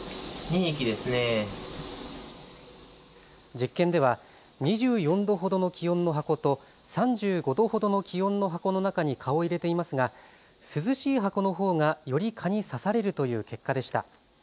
実験では２４度ほどの気温の箱と３５度ほどの気温の箱の中に蚊を入れていますが涼しい箱のほうがより蚊に刺されるという結果でした。